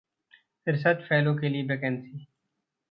research fellow के लिए vacancy